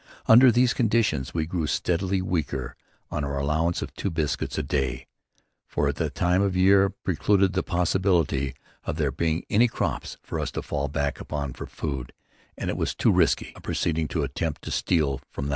Under these conditions we grew steadily weaker on our allowance of two biscuits a day; for the time of year precluded the possibility of there being any crops for us to fall back upon for food, and it was too risky a proceeding to attempt to steal from the householders.